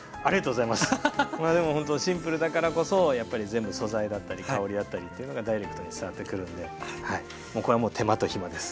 でもほんとシンプルだからこそやっぱり全部素材だったり香りだったりというのがダイレクトに伝わってくるんでもうこれは手間と暇です。